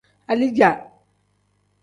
Alija.